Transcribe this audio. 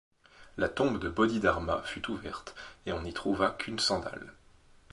La tombe de Bodhidharma fut ouverte et on n’y trouva qu’une sandale.